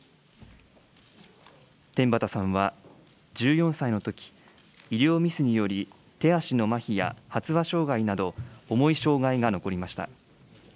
天畠さんは、１４歳のとき、医療ミスにより、手足のまひや発話障害など重い障害が残りました。